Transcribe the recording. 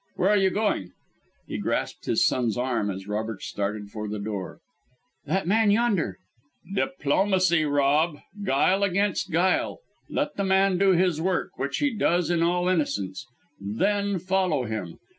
Where are you going?" He grasped his son's arm as Robert started for the door. "That man yonder " "Diplomacy, Rob! Guile against guile. Let the man do his work, which he does in all innocence; then follow him.